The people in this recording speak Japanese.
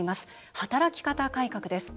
働き方改革です。